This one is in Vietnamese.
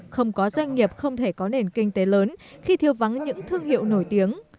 không có doanh nghiệp không thể có nền kinh tế lớn khi thiêu vắng những thương hiệu nổi tiếng